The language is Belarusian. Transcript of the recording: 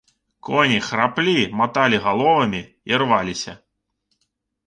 Коні храплі, маталі галовамі, ірваліся.